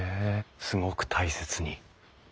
すごく大切に。